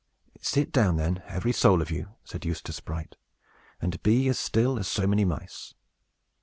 "Sit down, then, every soul of you," said Eustace Bright, "and be all as still as so many mice.